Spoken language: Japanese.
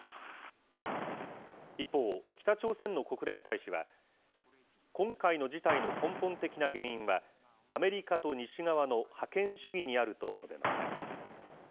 一方、北朝鮮の国連大使は、今回の事態の根本的な原因は、アメリカと西側の覇権主義にあると述べました。